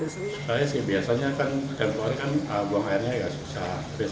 saya sih biasanya kan dalam waktu kan buang airnya ya susah